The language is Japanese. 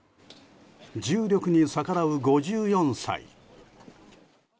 重力に逆らう、５４歳。